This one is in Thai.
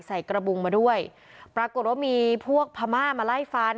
ใส่กระบุงมาด้วยปรากฏว่ามีพวกพม่ามาไล่ฟัน